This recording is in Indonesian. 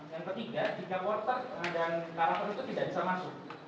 yang ketiga tiga porter dan karakter itu tidak bisa masuk